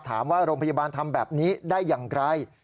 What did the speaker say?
โรงพยาบาลทำแบบนี้ได้อย่างไร